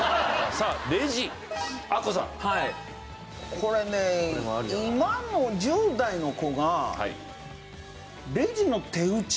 これね今の１０代の子がレジの手打ちなんて。